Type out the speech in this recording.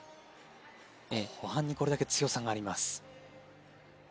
後半にこれだけ強さがあります。